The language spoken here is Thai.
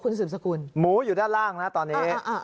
คุณสุดสกุลหมูอยู่ด้านล่างน่ะตอนนี้อ่าอ่าอ่า